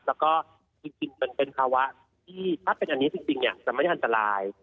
แล้วก็จริงมันเป็นภาวะที่ถ้าเป็นอันนี้จริงจะไม่ได้อันตราย